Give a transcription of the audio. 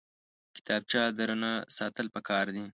کتابچه درنه ساتل پکار دي